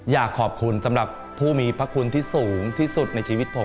อยากขอบคุณสำหรับผู้มีพระคุณที่สูงที่สุดในชีวิตผม